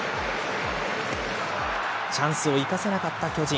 チャンスを生かせなかった巨人。